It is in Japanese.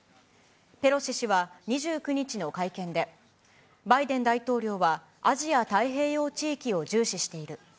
ペロシ氏は２９日の会見で、バイデン大統領はアジア太平洋地域を重視している。